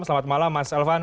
selamat malam mas elvan